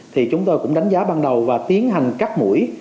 thì chúng tôi cũng đánh giá ban đầu và tiến hành cắt mũi